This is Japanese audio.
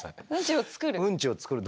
ウンチを作る。